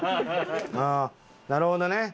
ああなるほどね。